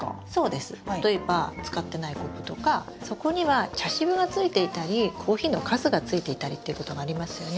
例えば使ってないコップとか底には茶渋がついていたりコーヒーのカスがついていたりっていうことがありますよね。